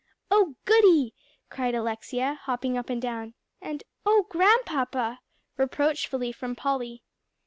"Oh goody!" cried Alexia, hopping up and down. And "Oh Grandpapa!" reproachfully from Polly.